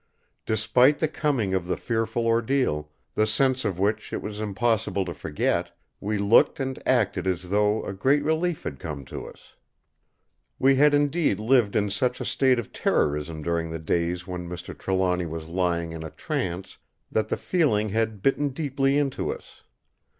Despite the coming of the fearful ordeal, the sense of which it was impossible to forget, we looked and acted as though a great relief had come to us. We had indeed lived in such a state of terrorism during the days when Mr. Trelawny was lying in a trance that the feeling had bitten deeply into us.